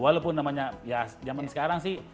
walaupun namanya ya zaman sekarang sih